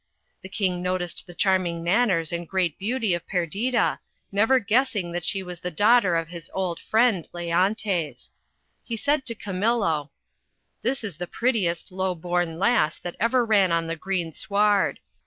The King noticed the charming man ners and great beauty of Perdita, never guessing that she was the daughter of his old friend, Leontes. He said to Camillo —■ "This is the prettiest low born lass that ever ran on the green sward.